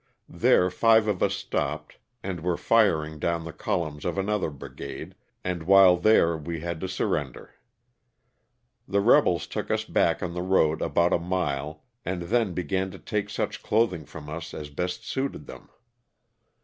There five of us stopped and were firing down the column of another brigade, and while there we had to surrender. The rebels took us back on the road about a mile and then began to take such clothing from us as best suited them.